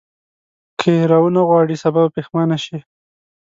که یې راونه غواړې سبا به پښېمانه شې.